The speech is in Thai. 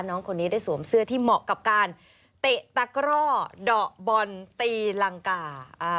น้องคนนี้ได้สวมเสื้อที่เหมาะกับการเตะตะกร่อเดาะบอลตีรังกา